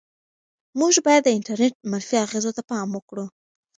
موږ باید د انټرنيټ منفي اغېزو ته پام وکړو.